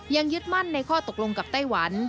ยึดมั่นในข้อตกลงกับไต้หวัน